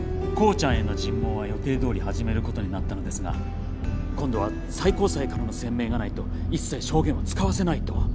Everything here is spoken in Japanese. コーチャンへの尋問は予定どおり始める事になったのですが今度は最高裁からの宣明がないと一切証言は使わせないと。